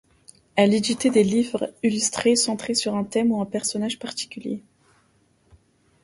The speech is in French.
Elle éditait des livres illustrés, centrés sur un thème ou un personnage particulier.